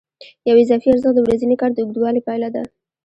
یو اضافي ارزښت د ورځني کار د اوږدوالي پایله ده